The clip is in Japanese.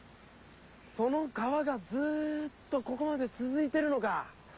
その川がずっとここまでつづいてるのか。